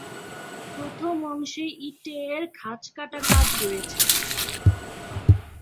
প্রথম অংশে ইটের খাঁজকাটা কাজ রয়েছে।